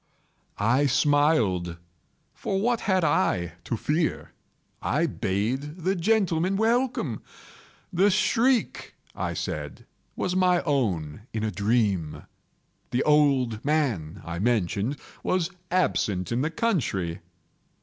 I smiled,—for what had I to fear? I bade the gentlemen welcome. The shriek, I said, was my own in a dream. The old man, I mentioned, was absent in the country.